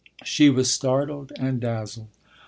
She was startled and dazzled.